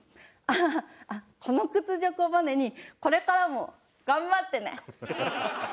ああこの屈辱をバネにこれからも頑張ってね。